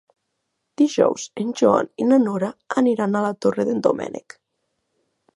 Dijous en Joan i na Nora aniran a la Torre d'en Doménec.